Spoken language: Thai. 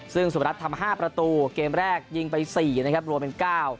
ซึ่งสุมรัฐทำ๕ประตูเกมแรกยิงไป๔นะครับรวมเป็น๙